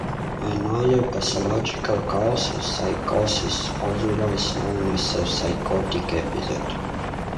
Another pathological cause is psychosis, otherwise known as a psychotic episode.